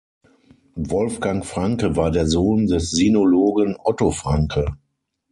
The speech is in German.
Wolfgang Franke war der Sohn des Sinologen Otto Franke.